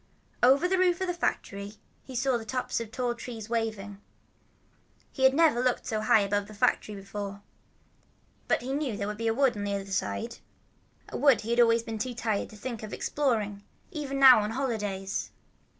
Over the roof of the factory he saw the tops of tall trees waving. He had never looked so high above the factory before. But he knew there was a wood on the other side, a wood he had always been too tired to think of exploring, even on holidays.